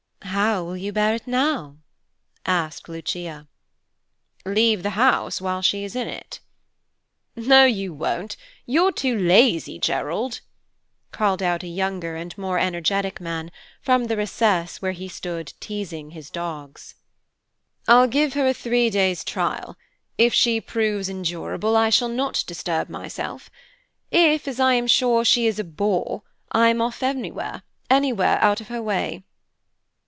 "How will you bear it now?" asked Lucia. "Leave the house while she is in it." "No, you won't. You're too lazy, Gerald," called out a younger and more energetic man, from the recess where he stood teasing his dogs. "I'll give her a three days' trial; if she proves endurable I shall not disturb myself; if, as I am sure, she is a bore, I'm off anywhere, anywhere out of her way."